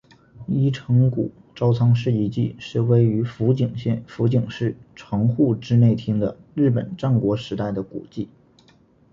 一乘谷朝仓氏遗迹是位于福井县福井市城户之内町的日本战国时代的古迹。